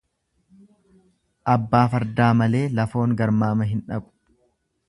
Abbaa fardaa malee lafoon garmaama hin dhaqu.